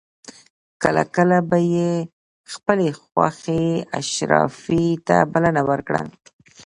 کله کله به یې خپلې خوښې اشرافي ته بلنه ورکړه.